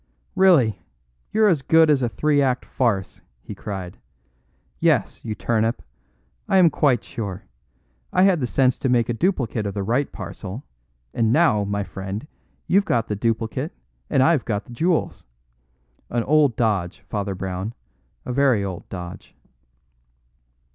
"Really, you're as good as a three act farce," he cried. "Yes, you turnip, I am quite sure. I had the sense to make a duplicate of the right parcel, and now, my friend, you've got the duplicate and I've got the jewels. An old dodge, Father Brown a very old dodge."